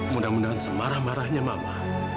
mudah mudahan semarah marahnya mama